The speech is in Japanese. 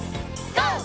ＧＯ！